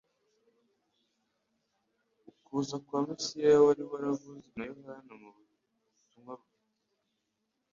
ukuza kwa Mesiya wari waravuzwe na Yohana mu butumwa bwe,